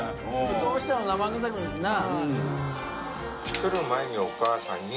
どうしても生臭くなぁ。